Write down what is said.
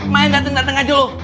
maink dateng dateng aja lu